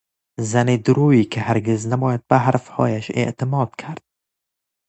زن دورویی که هرگز نباید به حرفهایش اعتماد کرد